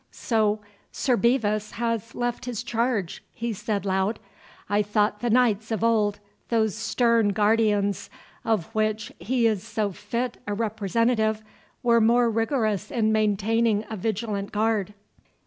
— So, Sir Bevis has left his charge," he said loud; "I thought the knights of old, those stern guardians of which he is so fit a representative, were more rigorous in maintaining a vigilant guard."